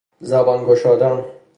زبان گشادن